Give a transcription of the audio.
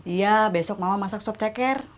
iya besok mama masak sop ceker